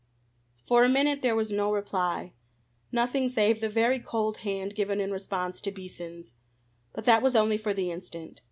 For a minute there was no reply, nothing save the very cold hand given in response to Beason's. But that was only for the instant.